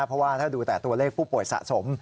เพราะว่าถ้าดูแต่ตัวเลขผู้ป่วยสะสม